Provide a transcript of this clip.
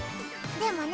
でもね